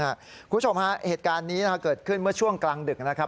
คุณผู้ชมฮะเหตุการณ์นี้เกิดขึ้นเมื่อช่วงกลางดึกนะครับ